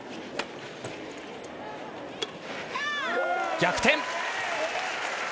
逆転！